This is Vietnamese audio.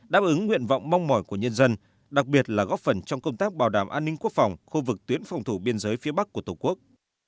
đáp ứng nguyện vọng mong mỏi của nhân dân đặc biệt là góp phần trong công tác bảo đảm an ninh quốc phòng khu vực tuyến phòng thủ biên giới phía bắc của tổ quốc